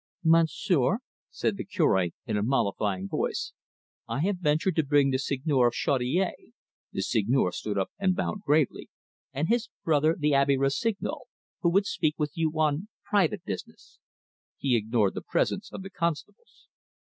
"Monsieur," said the Cure, in a mollifying voice, "I have ventured to bring the Seigneur of Chaudiere" the Seigneur stood up and bowed gravely "and his brother, the Abbe Rossignol, who would speak with you on private business" he ignored the presence of the constables.